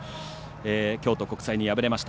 京都国際に敗れました。